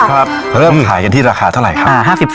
ครับแล้วมึงขายกันที่ราคาเท่าไหร่ครับ